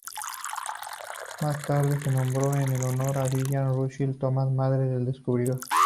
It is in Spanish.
Más tarde se nombró en honor de Vivian Russell Thomas, madre del descubridor.